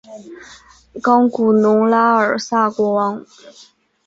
冈古农拉尔萨国王。